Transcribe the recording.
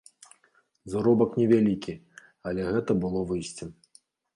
Заробак невялікі, але гэта было выйсцем.